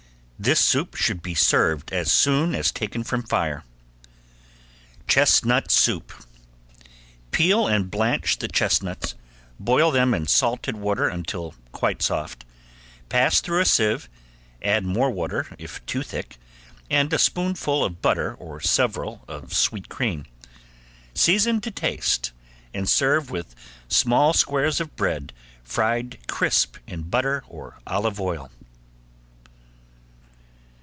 (This soup should be served as soon as taken from fire.) ~CHESTNUT SOUP~ Peel and blanch the chestnuts, boil them in salted water until quite soft, pass through a sieve, add more water if too thick, and a spoonful of butter or several of sweet cream, season to taste, and serve with small squares of bread fried crisp in butter or olive oil.